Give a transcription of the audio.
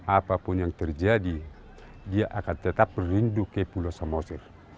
apapun yang terjadi dia akan tetap rindu ke pulau samosir